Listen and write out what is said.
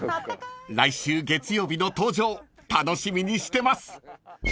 ［来週月曜日の登場楽しみにしてます］